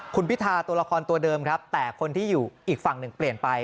คุณพิธาตัวละครตัวเดิมครับแต่คนที่อยู่อีกฝั่งหนึ่งเปลี่ยนไป